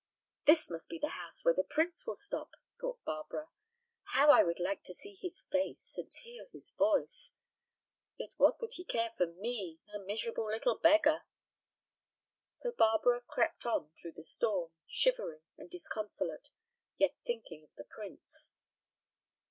"This must be the house where the prince will stop," thought Barbara. "How I would like to see his face and hear his voice! yet what would he care for me, a 'miserable little beggar'?" So Barbara crept on through the storm, shivering and disconsolate, yet thinking of the prince.